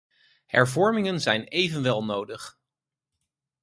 Hervormingen zijn evenwel nodig.